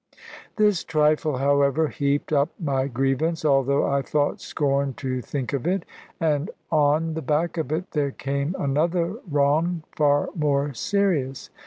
This trifle, however, heaped up my grievance, although I thought scorn to think of it; and on the back of it there came another wrong far more serious.